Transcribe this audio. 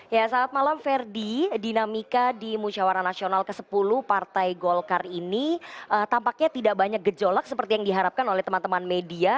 ya saat malam verdi dinamika di musyawara nasional ke sepuluh partai golkar ini tampaknya tidak banyak gejolak seperti yang diharapkan oleh teman teman media